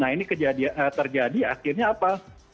ini terjadi akhirnya apa